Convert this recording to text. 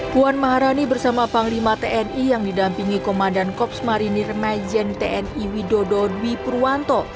puan maharani bersama panglima tni yang didampingi komandan korps marinir majen tni widodo dwi purwanto